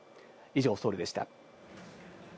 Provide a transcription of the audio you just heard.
以上、ソウルでした。